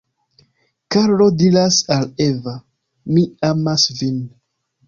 Karlo diras al Eva: Mi amas vin.